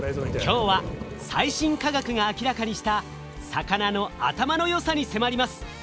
今日は最新科学が明らかにした魚の頭の良さに迫ります。